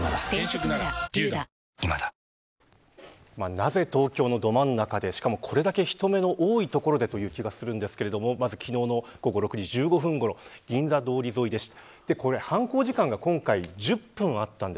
なぜ、東京のど真ん中でしかも、これだけ人目の多い所でという気がしますが昨日の午後６時１５分ごろ銀座通り沿いでした。